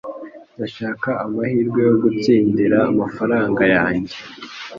Ndashaka amahirwe yo gutsindira amafaranga yanjye.